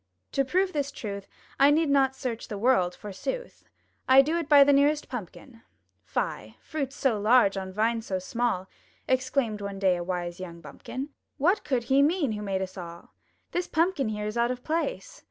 To prove this truth I need not search the world, forsooth! I do it by the nearest Pumpkin! *'Fie! fruit so large on vine so small!*' Exclaimed one day a wise young bumpkin! "What could He mean who made us all? This Pumpkin here is out of place.